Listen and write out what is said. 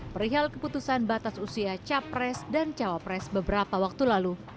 perihal keputusan batas usia capres dan cawapres beberapa waktu lalu